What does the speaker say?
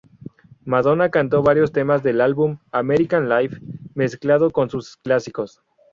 Madonna cantó varios temas del álbum American Life mezclado con sus clásicos.